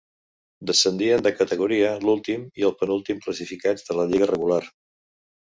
Descendien de categoria l'últim i el penúltim classificats de la lliga regular.